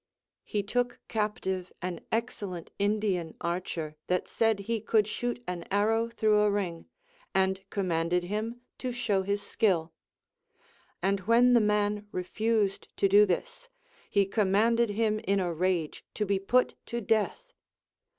He took captive an excellent Indian archer that said he could shoot an arrow through a ring, and com manded him to show his skill ; and when the man refused to do this, lie commanded him in a rage to be put to death.